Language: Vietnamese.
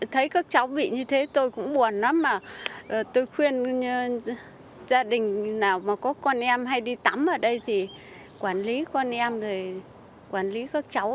thấy các cháu bị như thế tôi cũng buồn lắm mà tôi khuyên gia đình nào mà có con em hay đi tắm ở đây thì quản lý con em rồi quản lý các cháu